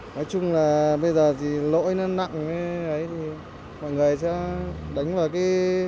nói chung là bây giờ thì lỗi nó nặng cái đấy thì mọi người sẽ đánh vào cái